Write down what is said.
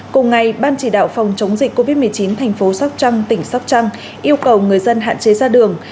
cùng ngày ban chỉ đạo phòng chống dịch covid một mươi chín thành phố sóc trăng tỉnh sóc trăng yêu cầu người dân hạn chế ra đường